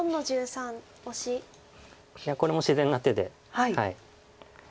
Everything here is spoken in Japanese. これも自然な手で。